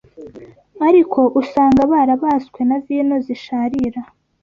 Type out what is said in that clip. ariko usanga barabaswe na vino zisharira